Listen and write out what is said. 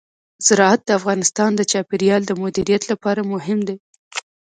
زراعت د افغانستان د چاپیریال د مدیریت لپاره مهم دي.